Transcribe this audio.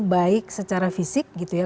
baik secara fisik gitu ya